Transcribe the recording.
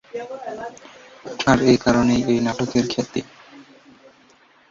আর এই কারণেই এই নাটকের খ্যাতি।